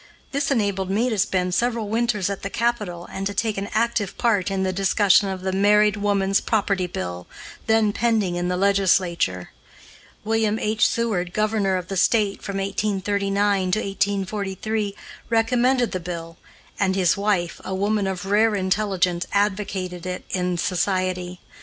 This enabled me to spend several winters at the Capital and to take an active part in the discussion of the Married Woman's Property Bill, then pending in the legislature. William H. Seward, Governor of the State from 1839 to 1843, recommended the Bill, and his wife, a woman of rare intelligence, advocated it in society.